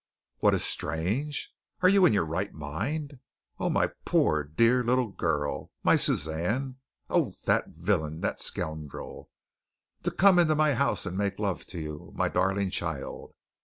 "What is strange? Are you in your right mind? Oh, my poor, dear little girl! My Suzanne! Oh, that villain! That scoundrel! To come into my house and make love to you, my darling child!